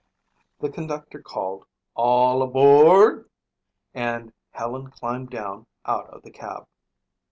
The conductor called "All aboo ord," and Helen climbed down out of the cab.